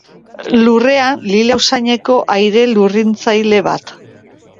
Lurrean, lila usaineko aire-lurrintzaile bat.